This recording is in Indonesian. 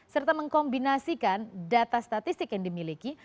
serta mengkombinasikan data statistik yang dimiliki